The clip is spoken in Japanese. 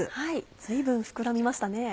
随分膨らみましたね。